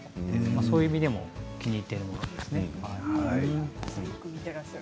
そういう意味でも気に入っています。